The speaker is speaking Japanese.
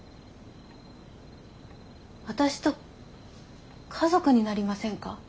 私と家族になりませんか？